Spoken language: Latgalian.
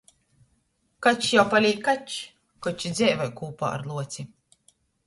Kačs jau palīk kačs, koč i dzeivoj kūpā ar luoci...